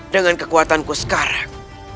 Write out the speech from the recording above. dengan kekuatanku sekarang